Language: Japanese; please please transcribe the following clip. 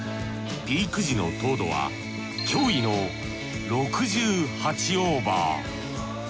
ピーク時の糖度は驚異の６８オーバー。